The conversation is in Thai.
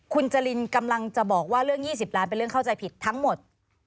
คุณจรินกำลังจะบอกว่าเรื่อง๒๐ล้านเป็นเรื่องเข้าใจผิดทั้งหมด